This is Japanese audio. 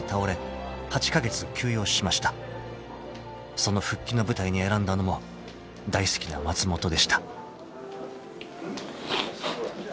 ［その復帰の舞台に選んだのも大好きな松本でした］